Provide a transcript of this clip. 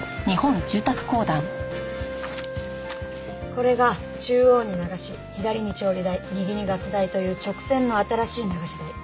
これが中央に流し左に調理台右にガス台という直線の新しい流し台。